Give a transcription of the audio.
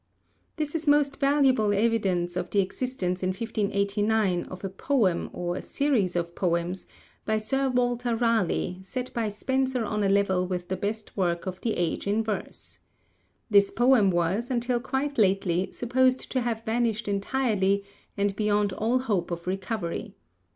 This is most valuable evidence of the existence in 1589 of a poem or series of poems by Sir Walter Raleigh, set by Spenser on a level with the best work of the age in verse. This poem was, until quite lately, supposed to have vanished entirely and beyond all hope of recovery.